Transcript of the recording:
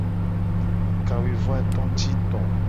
Kawuivoato ti to.